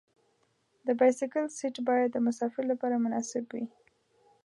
د بایسکل سیټ باید د مسافر لپاره مناسب وي.